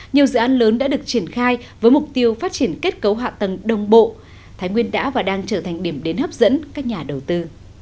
nhiều dự án lớn đã được triển khai với mục tiêu phát triển kết cấu hạ tầng đồng bộ thái nguyên đã và đang trở thành điểm đến hấp dẫn các nhà đầu tư